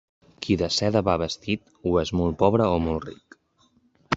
Qui de seda va vestit, o és molt pobre o molt ric.